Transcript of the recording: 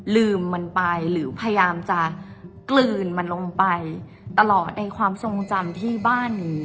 ลืมมันไปหรือพยายามจะกลืนมันลงไปตลอดในความทรงจำที่บ้านนี้